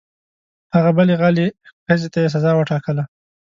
هغې بلې غلې ښځې ته یې سزا وټاکله.